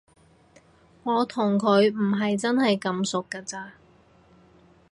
我同佢唔係真係咁熟㗎咋